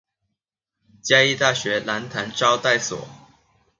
嘉義大學蘭潭招待所